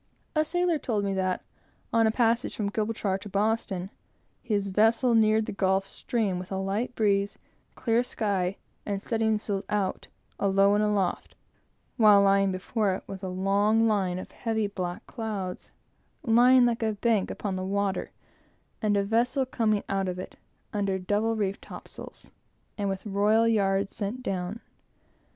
A sailor told me that on a passage from Gibraltar to Boston, his vessel neared the Gulf Stream with a light breeze, clear sky, and studding sails out, alow and aloft; while, before it, was a long line of heavy, black clouds, lying like a bank upon the water, and a vessel coming out of it, under double reefed topsails, and with royal yards sent down.